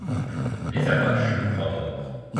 Les Apaches le croient mort.